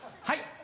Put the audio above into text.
はい。